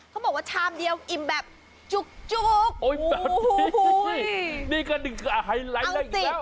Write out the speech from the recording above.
เขาบอกว่าชามเดียวอิ่มแบบจุกโอ้ยแบบนี้นี่ก็หนึ่งก็ไฮไลท์ได้อีกแล้ว